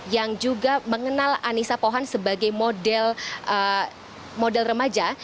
yang juga mengenal anissa pohan sebagai model remaja